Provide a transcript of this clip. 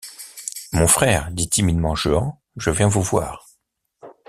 Mon frère, dit timidement Jehan, je viens vous voir.